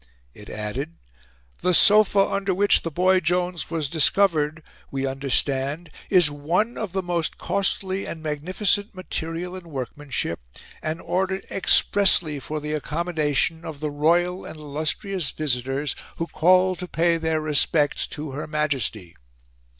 It added: "The sofa under which the boy Jones was discovered, we understand, is one of the most costly and magnificent material and workmanship, and ordered expressly for the accommodation of the royal and illustrious visitors who call to pay their respects to Her Majesty."